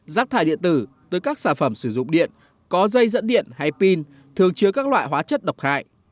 rác thải điện tử từ các sản phẩm sử dụng điện có dây dẫn điện hay pin thường chứa các loại hóa chất độc hại